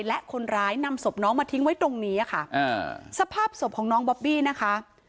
และคนร้ายนำศพน้องมาทิ้งไว้ตรงนี้ค่ะอ่าสภาพศพของน้องบอบบี้นะคะ